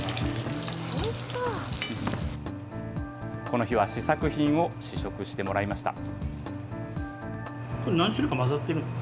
この日は試作品を試食してもらいました。